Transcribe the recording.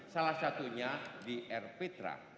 salah satunya di erp tra